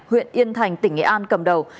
huyện yên thành tỉnh nghệ an cầm đầu